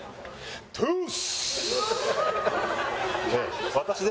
トゥース！